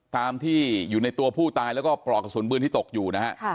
ตามที่อยู่ในตัวผู้ตายแล้วก็ปลอกกระสุนปืนที่ตกอยู่นะฮะ